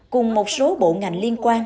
cùng một số bộ ngành